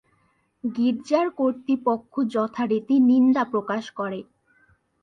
গির্জার কর্তৃপক্ষ যথারীতি নিন্দা প্রকাশ করে।